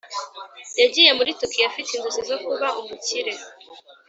yagiye muri tokiyo afite inzozi zo kuba umukire.